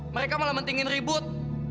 mereka malah mentingin ribut